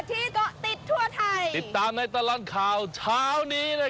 เรามาอยู่ที่จังหวัดพิจิตย์